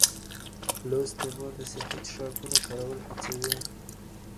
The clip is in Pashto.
لوستې مور د صحي څښاکونو کارول هڅوي.